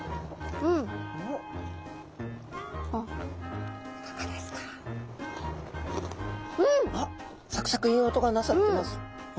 うん！あっサクサクいい音がなさってます。